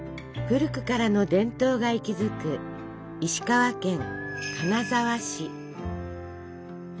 古くからの伝統が息づく石川県金沢市。